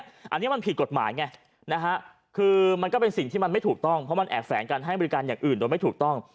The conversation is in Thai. อันนี้มันผิดกฎหมายไงนะฮะคือมันก็เป็นสิ่งที่มันไม่ถูกต้องเพราะมันแอบแฝงการให้บริการอย่างอื่นโดยไม่ถูกต้อง